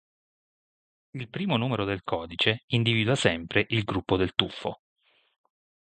Il primo numero del codice individua sempre il gruppo del tuffo.